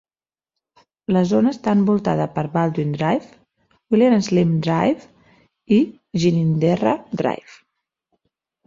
La zona està envoltada per Baldwin Drive, William Slim Drive i Ginninderra Drive.